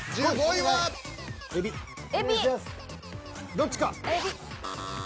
どっちか。